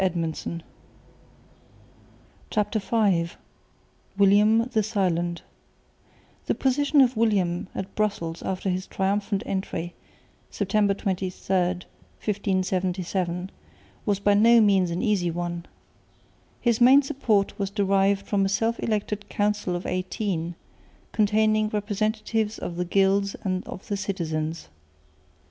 CHAPTER V WILLIAM THE SILENT The position of William at Brussels after his triumphant entry, September 23, 1577, was by no means an easy one. His main support was derived from a self elected Council of Eighteen, containing representatives of the gilds and of the citizens.